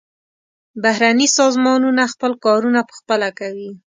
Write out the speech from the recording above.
بهرني سازمانونه خپل کارونه پخپله کوي.